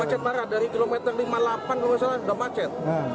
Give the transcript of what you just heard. macet parah dari kilometer lima puluh delapan kalau nggak salah udah macet